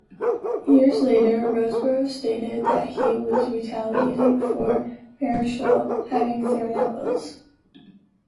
Years later, Roseboro stated that he was retaliating for Marichal having thrown at Wills.